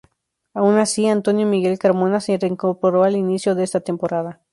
Aun así, Antonio Miguel Carmona se reincorporó al inicio de esta temporada.